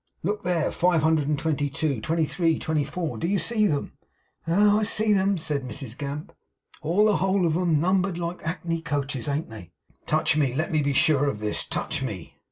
'Look there! Five hundred and twenty two twenty three twenty four. Do you see them?' 'Ah! I see 'em,' said Mrs Gamp; 'all the whole kit of 'em numbered like hackney coaches, an't they?' 'Touch me! Let me be sure of this. Touch me!